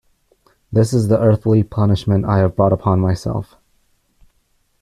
This is the earthly punishment I have brought upon myself.